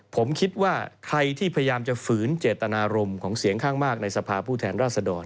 ผมคิดว่าใครที่พยายามจะฝืนเจตนารมณ์ของเสียงข้างมากในสภาพผู้แทนราชดร